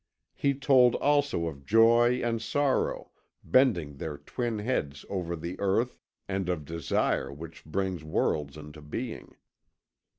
He told also of Joy and Sorrow bending their twin heads over the earth and of Desire which brings worlds into being.